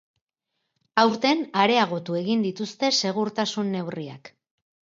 Aurten areagotu egin dituzte segurtasun neurriak.